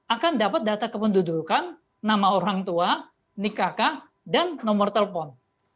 akan dapat data kependudukan nama orang tua nikaka dan nomor telepon